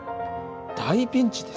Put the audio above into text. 大ピンチです。